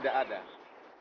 bapak akan berhenti